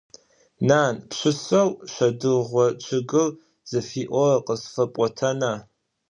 Нан! Пшысэу «Шэдыргъо чъыгыр» зыфиӀорэр къысфэпӀотэна?